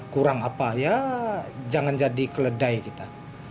kurang apa ya jangan jadi keledai kita